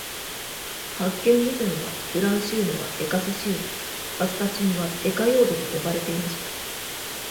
発見以前は、フランシウムは「エカセシウム」、アスタチンは「エカヨード」と呼ばれていました。